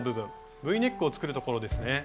Ｖネックを作るところですね。